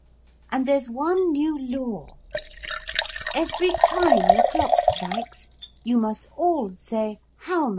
And there's one new law. Every time the clock strikes you must all say "Halma!"